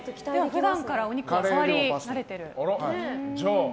普段からお肉は触り慣れてる。